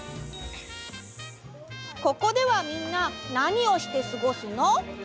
ここではみんななにをしてすごすの？